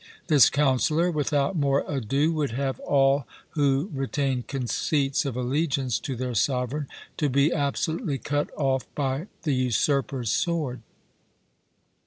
This councillor, without more ado, would have all who retained conceits of allegiance to their soveraign, to be absolutely cut off by the usurper's sword.